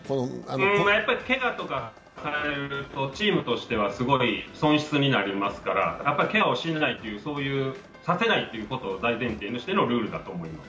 けがとかされると、チームとしてはすごい損失になりますからけがをさせないということを大前提としてのルールだと思います。